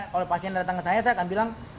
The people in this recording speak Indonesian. kalau pasien datang ke saya saya akan bilang